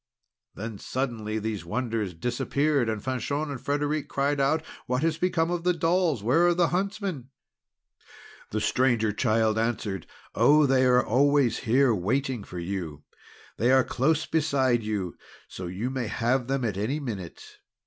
Then suddenly these wonders disappeared. And Fanchon and Frederic cried out: "What has become of the dolls? Where are the huntsmen?" The Stranger Child answered: "Oh, they are always here waiting for you! They are close beside you, so you may have them at any minute.